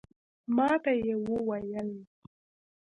ماته یې وویل